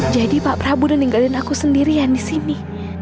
jadi pak prabu udah ninggalin aku sendirian di sini